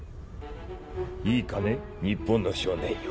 いいかね日本の少年よ。